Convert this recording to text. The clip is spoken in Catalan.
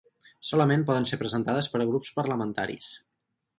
Solament poden ser presentades per grups parlamentaris.